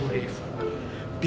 gua dengan reva hungrit